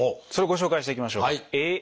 それをご紹介していきましょう。